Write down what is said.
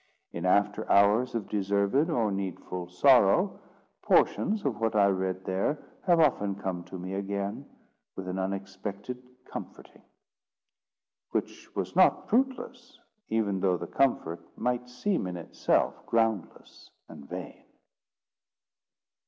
In after hours of deserved or needful sorrow, portions of what I read there have often come to me again, with an unexpected comforting; which was not fruitless, even though the comfort might seem in itself groundless and vain.